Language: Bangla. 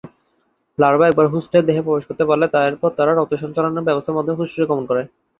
লার্ভা একবার হোস্টের দেহে প্রবেশ করতে পারলে এরপর তারা রক্ত সঞ্চালন ব্যবস্থার মাধ্যমে ফুসফুসে গমন করে।